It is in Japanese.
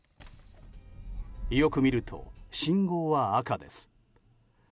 よく見ると、信号は赤です。